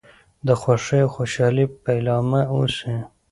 د خوښۍ او خوشحالی پيلامه اوسي .